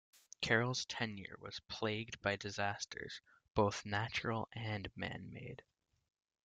Carroll's tenure was plagued by disasters, both natural and man-made.